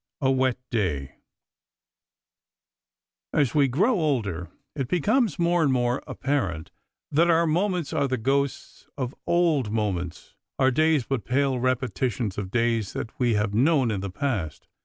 A WET DAY As we grow older it becomes more and more apparent that our moments are the ghosts of old moments, our days but pale repetitions of days that we have known in the past.